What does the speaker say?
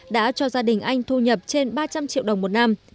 đã cho gia đình anh thu nhập trên ba trăm linh triệu đồng một năm